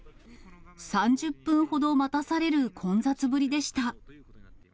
３０分ほど待たされる混雑ぶりでした。